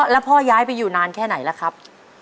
แล้วพ่อย้ายไปอยู่นานแค่ไหนล่ะครับ